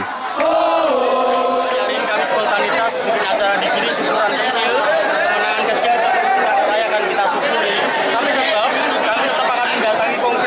persebaya surabaya akan minta syukur ini